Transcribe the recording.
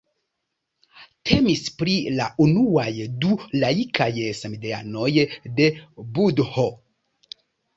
Temis pri la unuaj du laikaj samideanoj de Budho.